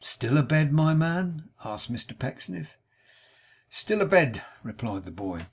'Still a bed my man?' asked Mr Pecksniff. 'Still a bed!' replied the boy.